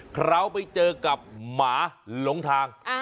เขาไปเจอกับหมาหลงทาง